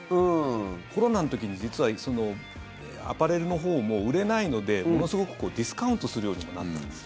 コロナの時に、実はアパレルのほうも売れないのでものすごくディスカウントするようになったんです。